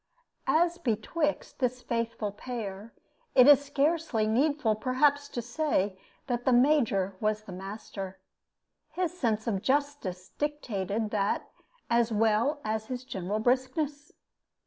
As betwixt this faithful pair, it is scarcely needful perhaps to say that the Major was the master. His sense of justice dictated that, as well as his general briskness.